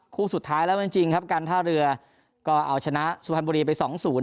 สุดท้ายแล้วจริงครับการท่าเรือก็เอาชนะสุพรรณบุรีไปสองศูนย์